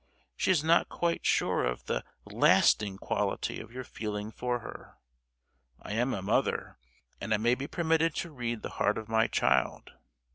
She is not quite sure of the lasting quality of your feeling for her! I am a mother, and I may be permitted to read the heart of my child.